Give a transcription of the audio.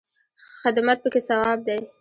خدمت پکې ثواب دی